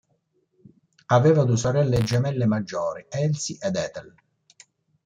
Aveva due sorelle gemelle maggiori, Elsie ed Ethel.